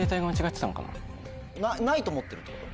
ないと思ってるってこと？